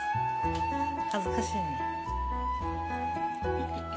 恥ずかしいね。